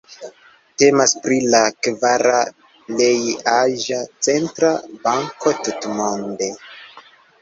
Temas pri la kvara plej aĝa centra banko tutmonde.